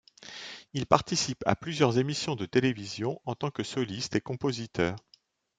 Il participe à plusieurs émissions de télévision en tant que soliste et compositeur.